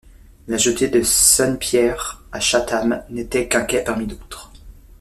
La jetée de Sun Pier à Chatham n'était qu'un quai parmi d'autres.